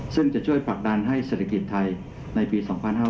ซึ่งจะช่วยผลักดันให้เศรษฐกิจไทยในปี๒๕๕๙